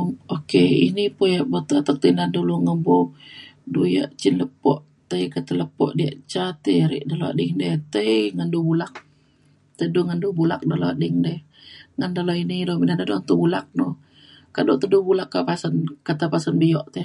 [unintelligible] ini pa yak buk atek atek dulu membo du yak cin lepo tai kata lepo diak ca tei re dalo ida tei tei ngan dulak te du ngan du bulak dalau ading de ngan dalau ini re dado tulak no. kado te du bulak kak pasen kata pasen bio te